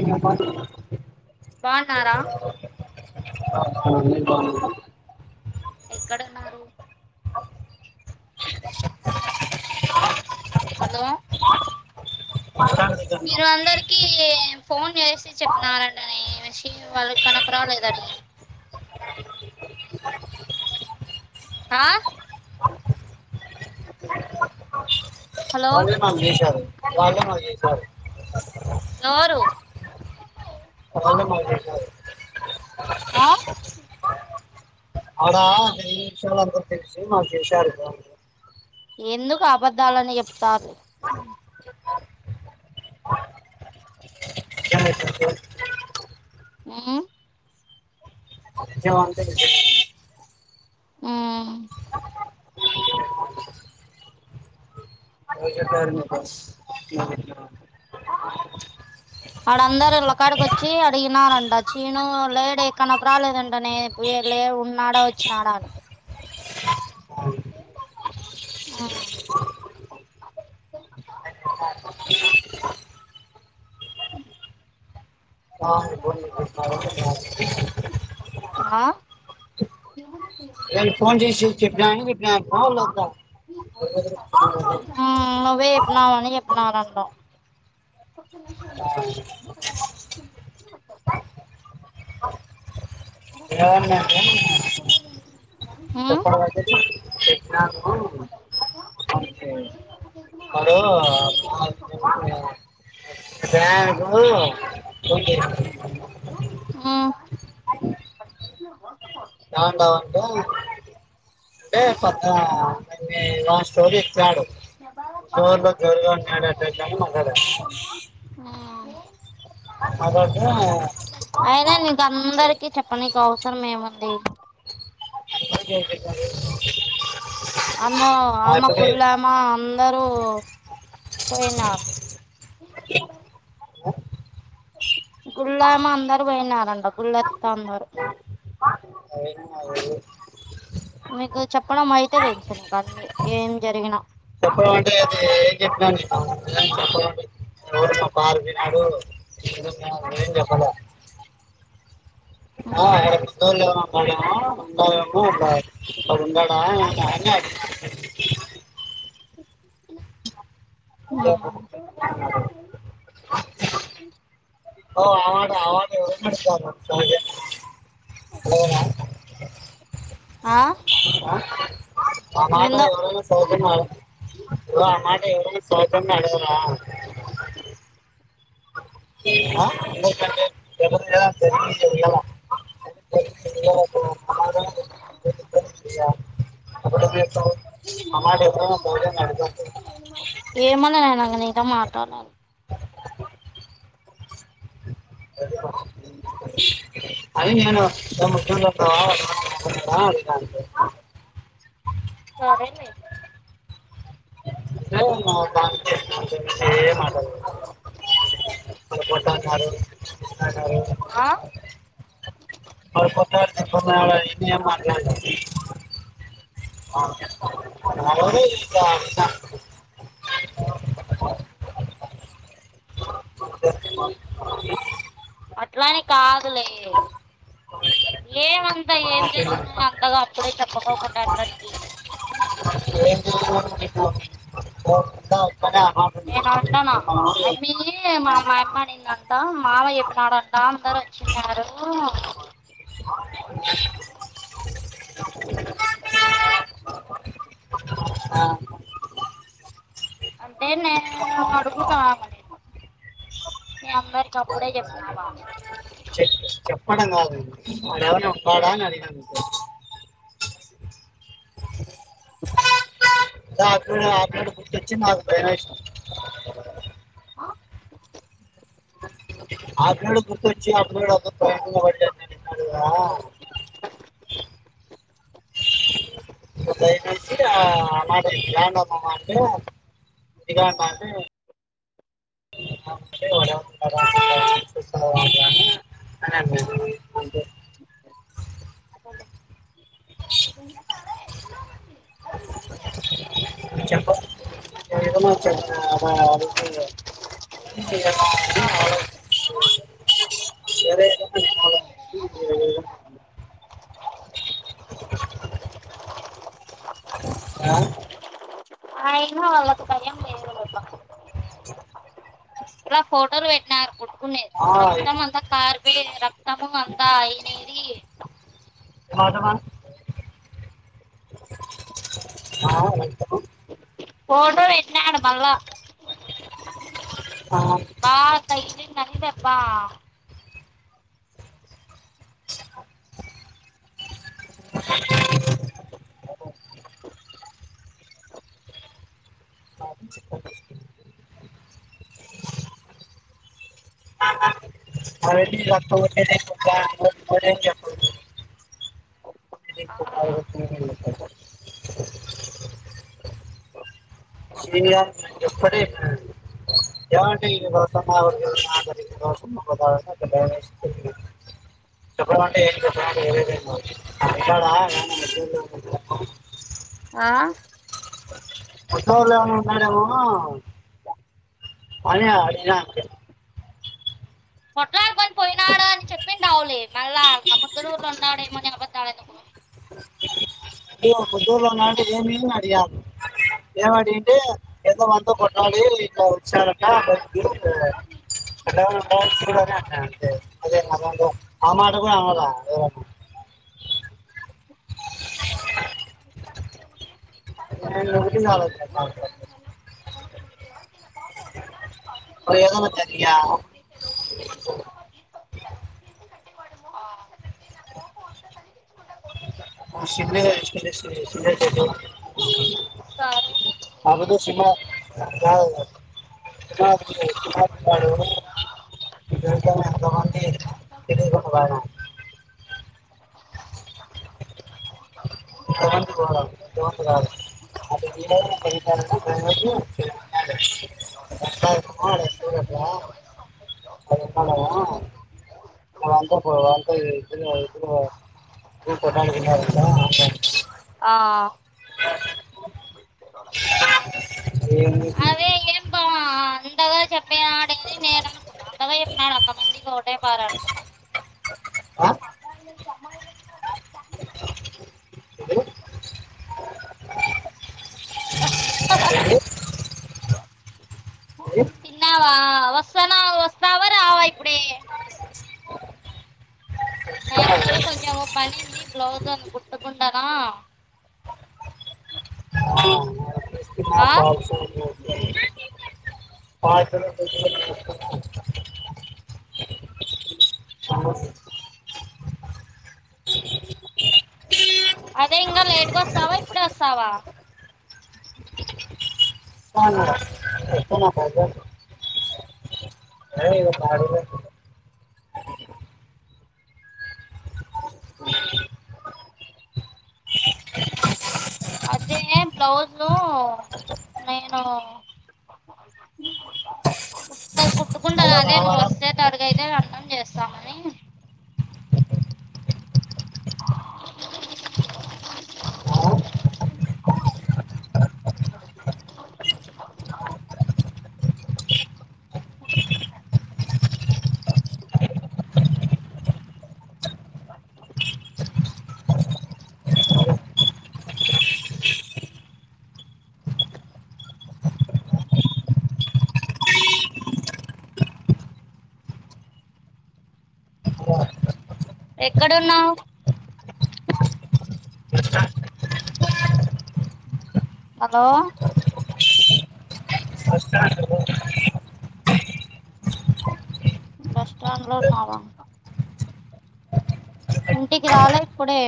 ఇ బాగున్నారా న ఎక్కడున్నారు హలో దగ్గర ఉన్నాం. మీరు అందరికి ఫోన్ చేసి చెప్నారడి నే వాళ్ళ కనప రాలేదాని ఆ హలో వాళ్ళే మాకు చేశారు వాళ్ళే మాకు చేశారు ఎవరు అ ఆ అడా అ నిమిషాల మాకు చేశారు ఎందుకు ఆబద్దాలని చెప్తారు నిజమే చెప్ హ్మ్ [inaudible] మ్మ్ [inaudible] వాడందర ఇళ్ళకాడికి వచ్చి అడిగినారండి ట చీను లేడు ఎక్కన రాలేదంట నేను పో లే ఉన్నాడా వచ్చినాడా అని హ్మ్ ఆ [unintelligible] ఆ [unintelligible] ఫోన్ చేసి చెప్తారు. నేను ఫోన్ చేసి చెప్పినా అని చెప్పినా ఫోన్ వద్దా ఆనువ్వే చెప్పినావు అని చెప్పినాడు అంటా ఒక్క నిమిషం ఉండు ఏమన్నారు మ్మ్ చెప్పినాను అంటే వాడు ఏం తప్పు చేసినా వాడు ఆ, బ్యాగు ఉంది ఉమ్ ఏడున్నావ్ అంటే అంటే లాస్ట్ స్టోరీ సాడ్ మ్మ్ అంటే కానీ మాట్లాడాడు మాట్లాడితే అయినా నీకుఅందరికిీ చెప్పనికి అవసరం ఏముంది అందరూ చేసేసారు. అమ్మా అమ్మ అప్పుడే గుళ్ళమ అందరూ పోయినార్ గుళ్ళమ అందరు పోయినారంట గుళ్ళెస్తా అందరు మీకు చెప్పడం అయితే తెలుసు నీకు అన్ని ఏం జరిగినా అ [unintelligible] పార్క్ పినాడు ఏం చెప్పలే అహ ఆయనకు ఉందో లేదో [unintelligible] అదే ఓ ఆ మాట ఆ మాట ఓవర్ ని అడుగుతున్నావ్ లేదా లేదా ఆహ్ ఆ మాట ఎవరో సౌజన్య ఆ మాట ఎవరన్న సౌజన్య అడగరా [unintelligible] [unintelligible] ఆ మాట ఎవరైనా సహజంగా అడుగుతారు ఏమన్నదామే నేను ఇంక మాట్లాడలేదు అది నేను [unintelligible] సరేలే ఏవమ్మా [unintelligible] అంటే ఏం మాట్లాడలేదు ఆ [unintelligible] ఆలు కొట్లాడుతారు నేనేం మాట్లాడలేదు [unintelligible] అట్లానే కాదులే ఏమంతా ఏం ఇక జరిగిన అంతగా అప్పుడే చెప్పకోకుండా అందరికీ ఏం చేయాలిలే [inaudible] అవి మా మాయమ్మనిందంట మావ చెప్పినాడంట అందరు వచ్చినారు ఆ, అంటే నేను అడుగుతాను నే అందరికి అప్పుడే చెప్పినావా చెప్- చెప్పడం కాదు వాడ ఏవన్నా ఉంటాడ అని అడిగాను [unintelligible] అక్కడ తెచ్చినావ్ గణేష్ ఆ అడ్రెస్స్ గుర్తొచ్చి [unintelligible] దయ నుంచి ఆ అనాట లాంమా అంటే ఇక్కడ [unintelligible] అ [unintelligible] భన్న సాల చెప్ప వేరే ఏదన్నా చెప్పి నారా అని ఆ సరే ఆ అయిన వాళ్ళకిభయం లేదు భ ఇలా ఫోటోలు పెట్టీ కార్ కొట్టుకునే ఆ, రక్తం ఏం అంతా కారిపోయి రక్తము అంతా అయినేది అదమ ఆ ఎందుకు ఫోటో పె ట్టినాడు మళ్ళా ఆ, బాగ తగిలిందని దెబ్ బ్బా అ చె అవన్నీ నీకు చెప్పదు [inaudible] చెప్పలేదు. సీనియర్స్ ఎప్పటి మ్ ఏమంటే [unintelligible] చెప్పడం అంటే ఏం చెప్పడం అంటే వేరేది ఏమన్నా [unintelligible] ఆ వచ్చే వారం ఏమన్నా అనుకున్నారేమో అని అడిగినా అంతే ఔలే మళ్ళా ఇంగ ముద్దులూరులో ఉండాడేమో అని అబద్ధాలు ఎందుకు? అడిగా ముద్దులూరు లో ఉన్నావంటా ఏమి అడిగా ఏం అడిగింటే పెళ్ళాం తో కొట్లాడి ఇట్లా వచ్చారకే [unintelligible] [unintelligible] ఆ మాట గూడా అనలా నిన్నొకటే ఆలోచన సార్ తో ఇప్పుడేదన్న జరిగినా నువ్వు సిన్నగా తీసుకుంటే సీరియ సీరియస్ ఐతే సరేలే ఆ పొద్దు ఏం లేదు సిన్నగా [inaudible] దొరికాం ఎంతమంది తెలియకుంటదా అనే స్రవంతి గూడ ఎంతోమంది గాదు అది [unintelligible] [inaudible] ఇగ వానితో పో వానితో చెయ్ [inaudible] [inaudible] ఆ ఏందికి అదే ఏం బా అంతగా చెప్పే ఆడేని నేను అనుకున్నా అంతగా చెప్పినడు అంతమందికి ఒకే పారనుకున్న హలో ఏంది హుమ్ తిన్నావా వస్తానా వస్తావా రావా ఇప్పుడే నేను ఇంకా కొంచెం ఒక పనింది బ్లౌజ్ అందు కుట్టుకుండానా ఆ అబ్బాయి [inaudible] హాస్టల్ [inaudible] సమస్య ఈడి కొస్తావా ఇప్పుడే వస్తావా? [inaudible] అ ఇ పాడు అదే బ్లౌజు నేను ండ అదే నువ్వు రావడం వస్తేతడగయితే అన్నం చేస్తామని ఎక్కడున్నావు హలో బస్ బస్ స్టాండ్ లో ఉన్నాడంట ఇంటికి రాలే ఇప్పుడే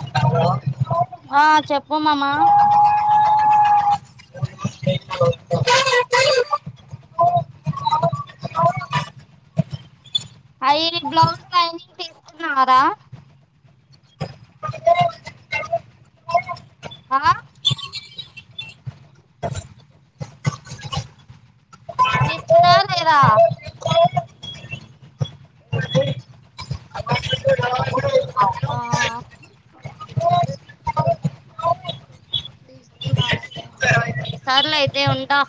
స్టాండ్ ఆ చెప్పు మమా అయి బ్లౌజ్ లైనింగ్ తీసుకున్నారా? ఆ తీసుకున్నవా లేదా? ఆ ఆ ఆ ఆ సర్లే అయితే ఉంటా